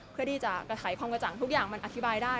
เพื่อจะไขของขจรรย์ทุกอย่างอธิบายได้